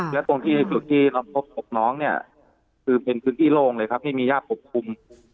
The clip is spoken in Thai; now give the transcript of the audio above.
และตรงที่เราพบน้องเนี่ยคือเป็นพื้นที่โล่งเลยครับไม่มีย่าปกคลุม